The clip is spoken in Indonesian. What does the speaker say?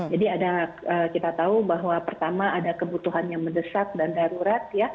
jadi kita tahu bahwa pertama ada kebutuhan yang mendesak dan darurat